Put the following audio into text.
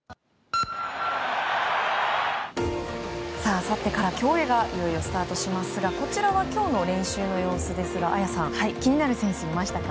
あさってからいよいよ競泳がスタートしますがこちらは今日の練習の様子ですが綾さん気になる選手いましたか？